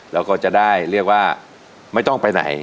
แล้วก็จะได้เรียกว่าไม่ต้องไปไหน